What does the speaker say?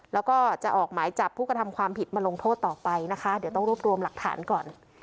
แล้วก็จะออกหมายจับผู้กระทำความผิดมาลงโทษต่อไปนะคะเดี๋ยวต้องรวบรวมหลักฐานก่อน